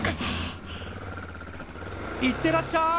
行ってらっしゃい！